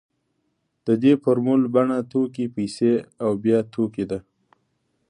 د دې فورمول بڼه توکي پیسې او بیا توکي ده